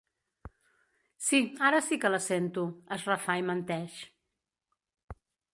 Sí, ara sí que la sento —es refà i menteix—.